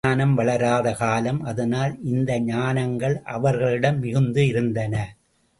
விஞ்ஞானம் வளராத காலம் அதனால் இந்த ஞானங்கள் அவர்களிடம் மிகுந்து இருந்தன.